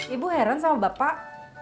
ibu heran sama bapak